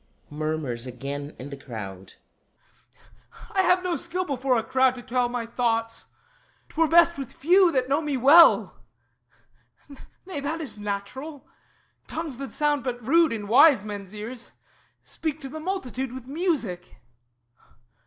[Murmurs again in the crowd.] I have no skill before a crowd to tell My thoughts. 'Twere best with few, that know me well. Nay that is natural; tongues that sound but rude In wise men's ears, speak to the multitude With music.